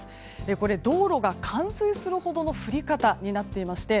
これは、道路が冠水するほどの降り方になっていまして